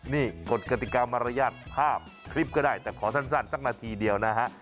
นี่กฎกติกามารยาทภาพคลิปก็ได้แต่ขอสั้นสักนาทีเดียวนะฮะ